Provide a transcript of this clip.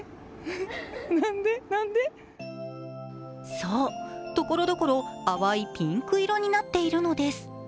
そう、ところどころ淡いピンク色になっているのです。